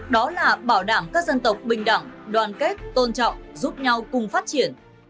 đó là bảo đảm các dân tộc bình đẳng đoàn kết tôn trọng giúp nhau cùng phát triển